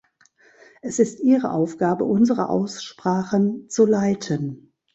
Es ist Ihre Aufgabe, unsere Aussprachen zu leiten.